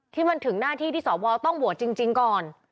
ที่มันถึงหน้าที่ที่สวต้องโหวตจริงก่อน